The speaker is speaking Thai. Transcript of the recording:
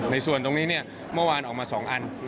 ในส่วนตรงนี้เมื่อวานออกมา๒อัน